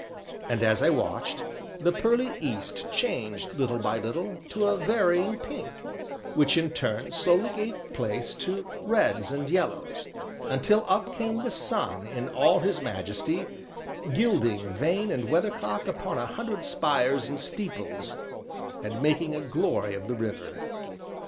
And as I watched, the pearly east changed little by little, to a varying pink, which in turn slowly gave place to reds and yellows, until up came the sun in all his majesty, gilding vane and weathercock upon a hundred spires and steeples, and making a glory of the river.